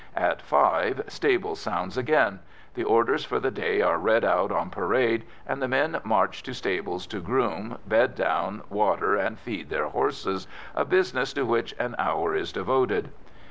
At five "stables" sounds again; the orders for the day are read out on parade, and the men march to stables to groom, bed down, water, and feed their horses, a business to which an hour is devoted.